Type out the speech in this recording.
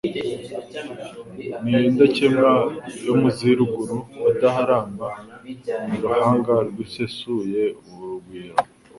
Ni indakemwa yo muz' iruguru badaharamba, Ni Ruhanga rwisesuye urugwiro.